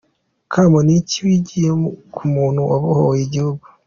com : Ni iki wigiyemo nk’umuntu wabohoye igihugu ?.